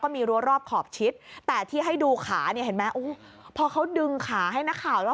มีแมวอีก๔๐กว่าตัว